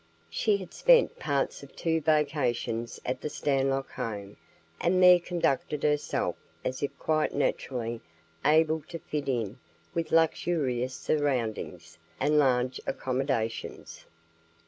She had spent parts of two vacations at the Stanlock home and there conducted herself as if quite naturally able to fit in with luxurious surroundings and large accommodations.